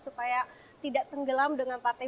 supaya tidak tenggelam dengan partai